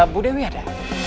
bu dewi ada